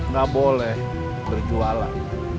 gak boleh berjualan